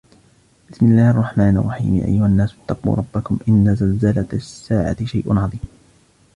بسم الله الرحمن الرحيم يا أيها الناس اتقوا ربكم إن زلزلة الساعة شيء عظيم